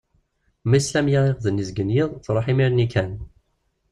Mi tesla m yiɣiɣden izeggen yiḍ, truḥ imir-nni kan.